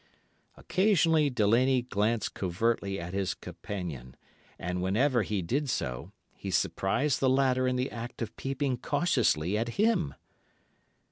Occasionally Delaney glanced covertly at his companion, and whenever he did so, he surprised the latter in the act of peeping cautiously at him.